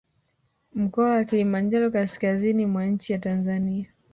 Mkoa wa Kilimanjaro kaskazini mwa nchi ya Tanzania